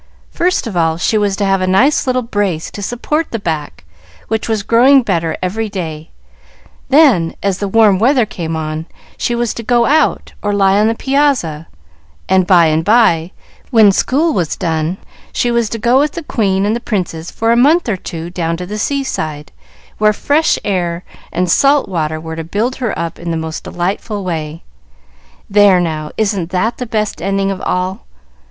First of all, she was to have a nice little brace to support the back which was growing better every day; then, as the warm weather came on, she was to go out, or lie on the piazza; and by and by, when school was done, she was to go with the queen and the princes for a month or two down to the sea side, where fresh air and salt water were to build her up in the most delightful way. There, now! isn't that the best ending of all?"